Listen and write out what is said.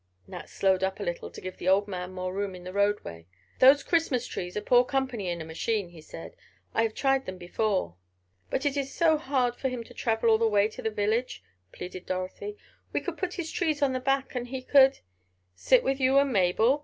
Nat slowed up a little to give the old man more room in the roadway. "Those Christmas trees are poor company in a machine," he said. "I have tried them before." "But it is so hard for him to travel all the way to the village?" pleaded Dorothy. "We could put his trees on back, and he could——" "Sit with you and Mabel?"